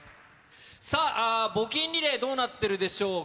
さあ、募金リレーどうなっているでしょうか。